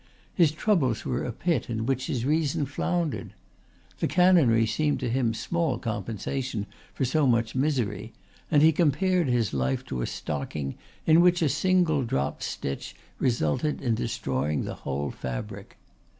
His troubles were a pit in which his reason floundered. The canonry seemed to him small compensation for so much misery, and he compared his life to a stocking in which a single dropped stitch resulted in destroying the whole fabric.